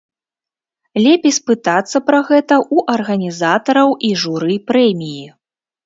Лепей спытацца пра гэта ў арганізатараў і журы прэміі.